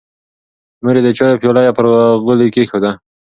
مور یې د چایو پیاله پر غولي کېښوده.